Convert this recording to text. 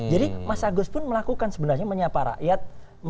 jadi mas agus pun melakukan sebenarnya menyapa rakyat